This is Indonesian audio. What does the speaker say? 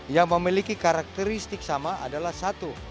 yang memiliki karakteristik sama adalah satu